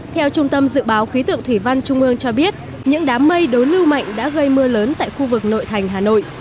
theo trung tâm dự báo khí tượng thủy văn trung ương cho biết những đám mây đối lưu mạnh đã gây mưa lớn tại khu vực nội thành hà nội